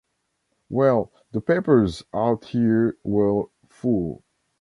Well, the papers out here were full.